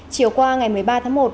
chiều qua ngày một mươi ba tháng một